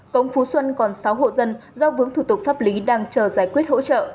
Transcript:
cống phú xuân còn sáu hộ dân do vướng thủ tục pháp lý đang chờ giải quyết hỗ trợ